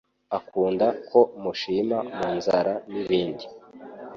akunda ko mushima mu nzara n'ibindi.